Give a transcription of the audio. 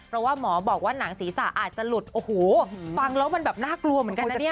เพราะว่าหมอบอกว่าหนังศีรษะอาจจะหลุดโอ้โหฟังแล้วมันแบบน่ากลัวเหมือนกันนะเนี่ย